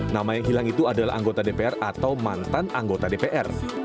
nama yang hilang itu adalah anggota dpr atau mantan anggota dpr